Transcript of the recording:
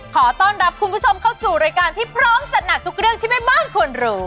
ขอต้อนรับคุณผู้ชมเข้าสู่รายการที่พร้อมจัดหนักทุกเรื่องที่แม่บ้านควรรู้